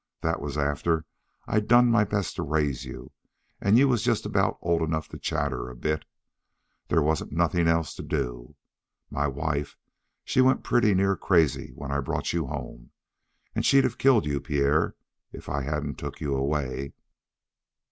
That was after I'd done my best to raise you and you was just about old enough to chatter a bit. There wasn't nothing else to do. My wife, she went pretty near crazy when I brought you home. And she'd of killed you, Pierre, if I hadn't took you away.